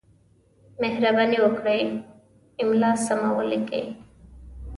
مهرباني وکړئ! املا سمه ولیکئ!